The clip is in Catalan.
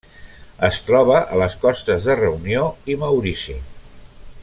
Es troba a les costes de Reunió i Maurici.